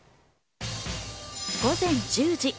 午前１０時。